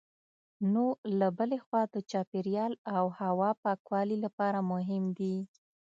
نو له بلې خوا د چاپېریال او هوا پاکوالي لپاره مهم دي.